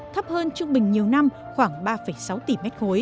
thấp hơn trung bình nhiều năm khoảng ba sáu tỷ m ba